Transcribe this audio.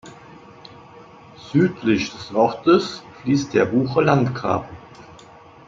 Südlich des Ortes fließt der Bucher Landgraben.